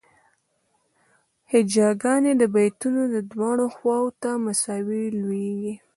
هجاګانې د بیتونو دواړو خواوو ته مساوي لویږي.